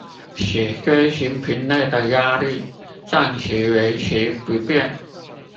使錐形瓶內的壓力暫時維持不變